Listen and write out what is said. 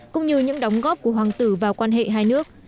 cũng như những đóng góp của hoàng tử vào quan hệ hai nước